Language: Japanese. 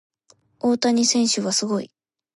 大谷選手はすごい。